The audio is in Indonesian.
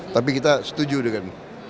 tapi kita setuju dengan